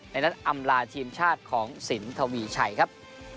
ในนัดอำลาทีมชาติของสินทวีชัยครับ